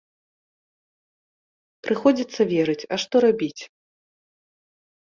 Прыходзіцца верыць, а што рабіць?